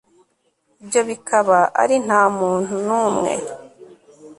ibyo bikaba ari nta muntu n'umwe